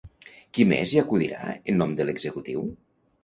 Qui més hi acudirà en nom de l'executiu?